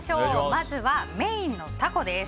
まずはメインのタコです。